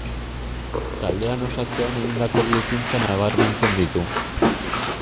Taldea osatzean egindako bi ekintza nabarmentzen ditu.